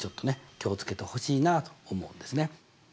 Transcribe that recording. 気を付けてほしいなと思うんですね。